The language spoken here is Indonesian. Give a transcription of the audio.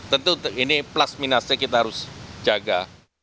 tentu ini plus minusnya kita harus jaga